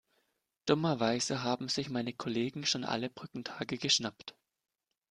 Dummerweise haben sich meine Kollegen schon alle Brückentage geschnappt.